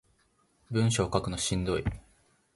文章書くのしんどい